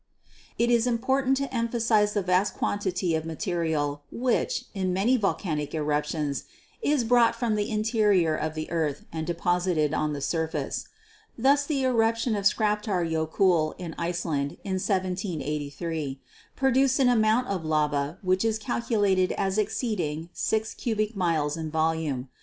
It is important to emphasize the vast quantity of material which, in many volcanic eruptions, is brought from the interior of the earth and deposited on the surface. Thus the eruption of Skaptar Jokul in Iceland, in 1783, produced an amount of lava which is calculated as exceeding six cubic miles in volume.